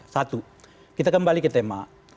satu kita kembali ke tema